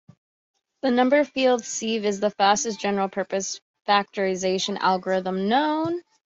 The number field sieve is the fastest general-purpose factorization algorithm known.